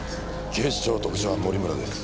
警視庁特殊班森村です。